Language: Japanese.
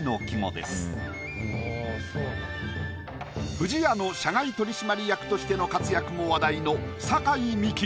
「不二家」の社外取締役としての活躍も話題の酒井美紀